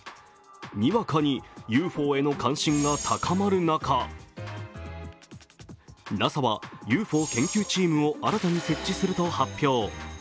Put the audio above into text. にわかにＵＦＯへの関心が高まる中、ＮＡＳＡはＵＦＯ研究チームを新たに設置すると発表。